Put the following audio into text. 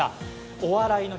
「お笑いの日」